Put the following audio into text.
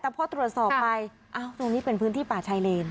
แต่พอตรวจสอบไปตรงนี้เป็นพื้นที่ป่าชายเลน